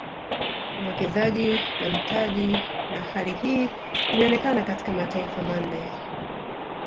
Uwekezaji na mtaji na hali hii imeonekana katika mataifa manne